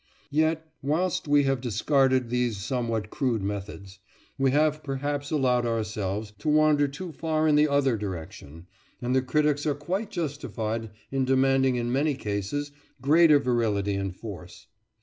Yet, whilst we have discarded these somewhat crude methods, we have perhaps allowed ourselves to wander too far in the other direction, and the critics are quite justified in demanding in many cases greater virility and force.